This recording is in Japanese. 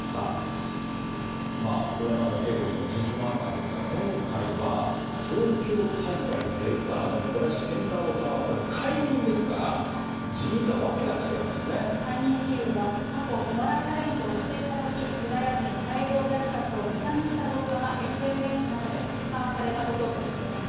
だからこそ、今回は東京大会ディレクターの小林賢太郎さんはこれ、解任ですから、解任理由は、過去、お笑いタレントをしていたとき、ユダヤ人大量虐殺をねたにした動画が、ＳＮＳなどで拡散されたこととしています。